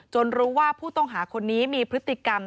รู้ว่าผู้ต้องหาคนนี้มีพฤติกรรม